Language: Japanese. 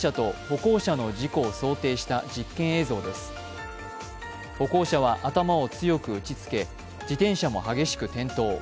歩行者は頭を強く打ちつけ自転車も激しく転倒。